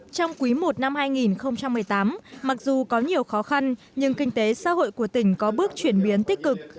trong quý i năm hai nghìn một mươi tám mặc dù có nhiều khó khăn nhưng kinh tế xã hội của tỉnh có bước chuyển biến tích cực